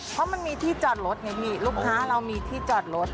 เพราะมันมีที่จอดรถไงมีลูกค้าเรามีที่จอดรถ